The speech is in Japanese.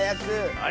あれ？